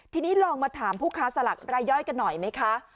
ทีนี้ลองมาถามผู้ค้าสลากรายย่อยกันหน่อยไหมคะ